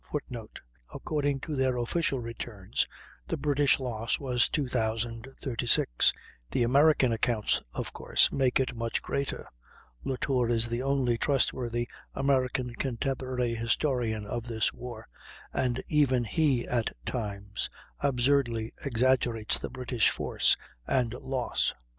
[Footnote: According to their official returns the British loss was 2,036; the American accounts, of course, make it much greater. Latour is the only trustworthy American contemporary historian of this war, and even he at times absurdly exaggerates the British force and loss.